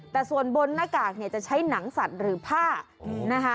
แต่ส่วนบนหน้ากากเนี่ยจะใช้หนังสัตว์หรือผ้านะคะ